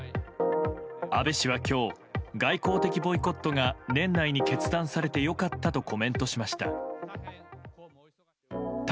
安倍氏は今日外交的ボイコットが年内に決断されてよかったとコメントしました。